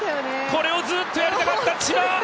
これをずっとやりたかった、千葉！